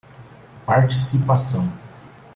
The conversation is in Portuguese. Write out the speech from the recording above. Participação